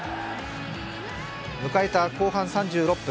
迎えた後半３６分